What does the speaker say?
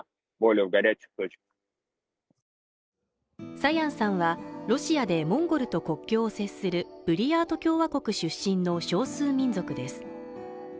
サヤンさんはロシアでモンゴルと国境を接するブリヤート共和国出身の少数民族です